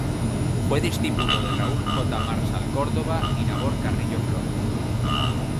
Fue discípulo de Raúl J. Marsal Córdoba y Nabor Carrillo Flores.